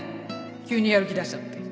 急にやる気出しちゃって